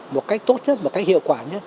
một cách tốt nhất một cách hiệu quả nhất